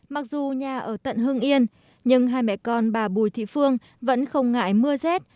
mặc dù nhà ở tận hưng yên nhưng hai mẹ con bà bùi thị phương vẫn không ngại mưa rét